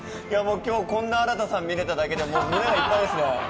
今日こんな新さん見られただけで、胸がいっぱいですね。